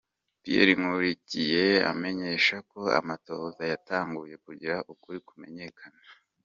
Pierre Nkurikiye amenyesha ko amatohoza yatanguye kugira ukuri kumenyekane.